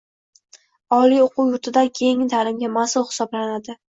oliy o`quv yurtidan keyingi ta’limga mas'ul hisoblanadi.